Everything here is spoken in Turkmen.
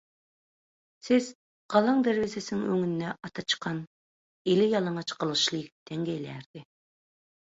Ses galaň derwezesiniň öňünde ata çykan, eli ýalaňaç gylyçly ýigitden gelýärdi.